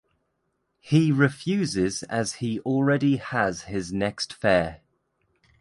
He refuses as he already has his next fare.